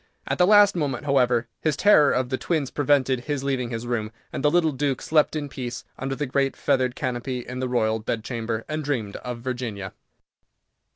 At the last moment, however, his terror of the twins prevented his leaving his room, and the little Duke slept in peace under the great feathered canopy in the Royal Bedchamber, and dreamed of Virginia.